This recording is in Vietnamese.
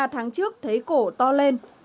ba tháng trước thấy cổ to lên